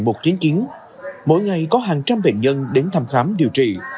mỗi ngày có hàng trăm bệnh nhân đến thăm khám điều trị